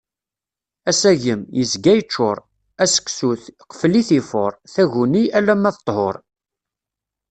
Asagem, yezga yeččur. Aseksut, qfel-it ifuṛ. Taguni, alamma d ṭṭhur.